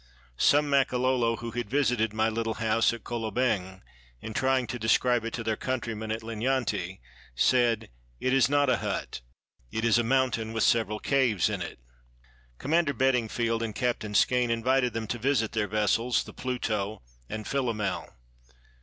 Some Makololo who had vis ited my little house at Kolobeng, in trying to describe it to their countrymen at Linyanti, said, "It is not a hut; it is a mountain with several caves in it." Commander Bedingfield and Captain Skene invited them to visit their vessels, the Pluto and Philomel.